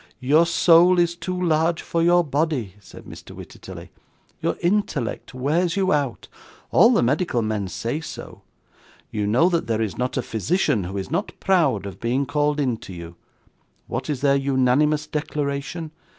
'Your soul is too large for your body,' said Mr. Wititterly. 'Your intellect wears you out; all the medical men say so; you know that there is not a physician who is not proud of being called in to you. What is their unanimous declaration?